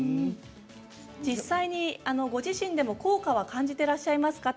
実際にご自身でも効果は感じていらっしゃいますか？